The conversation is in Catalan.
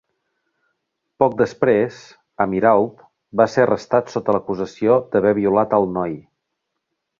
Poc després, Amirault va ser arrestat sota l'acusació d'haver violat al noi.